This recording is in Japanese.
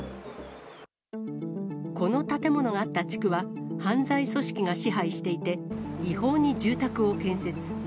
この建物があった地区は、犯罪組織が支配していて違法に住宅を建設。